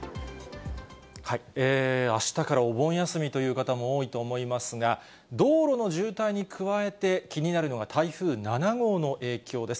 あしたからお盆休みという方も多いと思いますが、道路の渋滞に加えて、気になるのが台風７号の影響です。